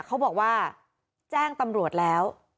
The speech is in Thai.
เขาบอกว่าแจ้งตำรวจแล้ว